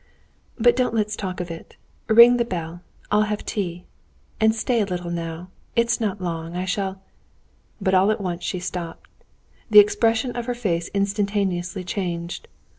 "But don't let's talk of it. Ring the bell, I'll have tea. And stay a little now; it's not long I shall...." But all at once she stopped. The expression of her face instantaneously changed.